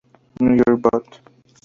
New York Bot.